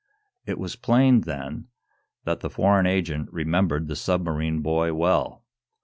It was plain, then, that the foreign agent remembered the submarine boy well.